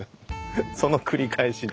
その繰り返しで。